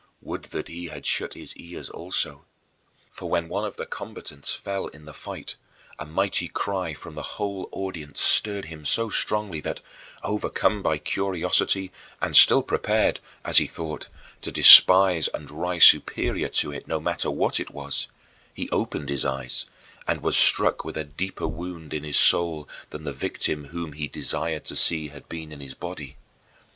Would that he had shut his ears also! For when one of the combatants fell in the fight, a mighty cry from the whole audience stirred him so strongly that, overcome by curiosity and still prepared (as he thought) to despise and rise superior to it no matter what it was, he opened his eyes and was struck with a deeper wound in his soul than the victim whom he desired to see had been in his body.